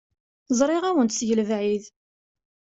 Zṛiɣ-awen-d seg lebɛid.